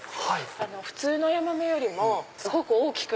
普通のヤマメよりもすごく大きく。